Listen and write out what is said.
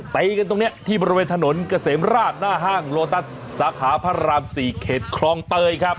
ตีกันตรงนี้ที่บริเวณถนนเกษมราชหน้าห้างโลตัสสาขาพระราม๔เขตคลองเตยครับ